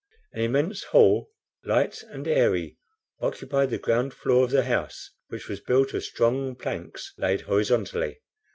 An immense hall, light and airy, occupied the ground floor of the house, which was built of strong planks laid horizontally.